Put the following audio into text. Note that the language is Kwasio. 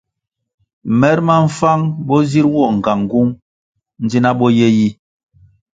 Mer ma mfang bo zir nwo ngangung ndzina bo ye yi.